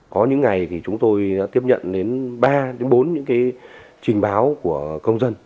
có những ngày thì chúng tôi đã tiếp nhận đến ba bốn những trình báo của công dân